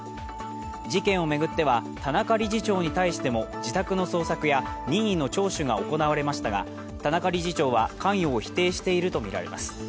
事件を巡っては、田中理事長に対しても自宅の捜索や任意の聴取が行われましたが田中理事長は関与を否定しているとみられます。